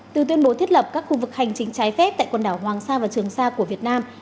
từ tuyên bố thiết lập các khu vực hành chính trái phép tại quần đảo hoàng sa và trường sa của việt nam